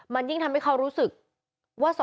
มันยิ่งทำให้เขารู้สึกว่า